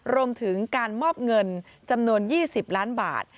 รวมถึงการมอบเงินจำนวน๒๐ล้านบาท